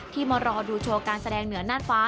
มารอดูโชว์การแสดงเหนือน่านฟ้า